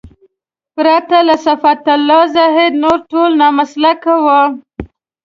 پرته له صفت الله زاهدي نور ټول نامسلکه وو.